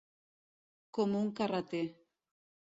Com un carreter.